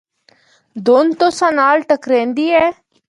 دُھند تُساں نال ٹَکریندی اے۔